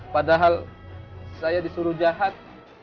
padahal saya disuruh jahat